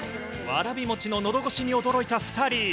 わらび餅ののどごしに驚いた２人。